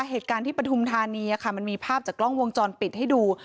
เหตุการณ์ที่ปฐุมธานีค่ะมันมีภาพจากกล้องวงจรปิดให้ดู